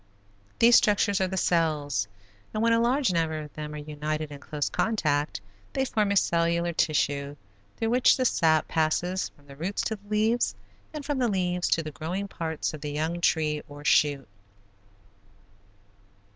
These structures are the cells, and when a large number of them are united in close contact they form a cellular tissue through which the sap passes from the roots to the leaves, and from the leaves to the growing parts of the young tree, or shoot.